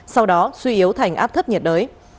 sau đó suy yếu thành áp thấp nhiệt đới